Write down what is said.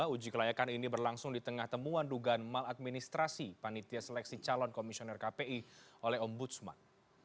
uji kelayakan ini berlangsung di tengah temuan dugaan mal administrasi panitia seleksi calon komisioner kpi oleh om budsman